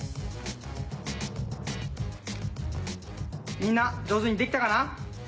みんな上手にできたかな？